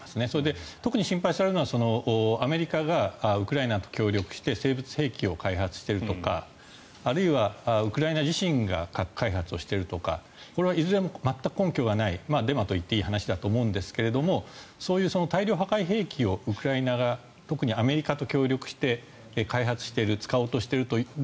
それで、特に心配されるのはアメリカがウクライナと協力して生物兵器を開発しているとかあるいはウクライナ自身が核開発をしているとかこれはいずれも全く根拠がないデマといっていい話だと思うんですがそういう大量破壊兵器をウクライナ側が特にアメリカと協力して開発している使おうとしている。